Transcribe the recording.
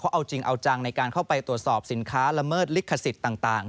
เอาจริงเอาจังในการเข้าไปตรวจสอบสินค้าละเมิดลิขสิทธิ์ต่าง